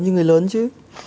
như người lớn chứ